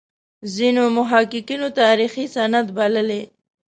ځینو محققینو تاریخي سند بللی.